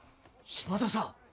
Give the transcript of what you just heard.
島田さん。